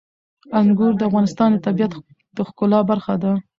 انګور د افغانستان د طبیعت د ښکلا برخه ده.